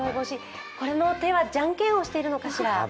これの手はじゃんけんをしているのかしら。